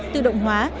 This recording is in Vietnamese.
tự động hóa